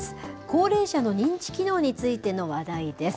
高齢者の認知機能についての話題です。